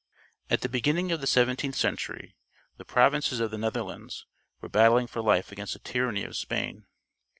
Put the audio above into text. At the beginning of the seventeenth century the provinces of the Netherlands were battling for life against the tyranny of Spain.